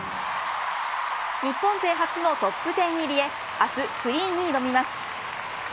日本勢初のトップ１０入りへ明日、フリーに挑みます。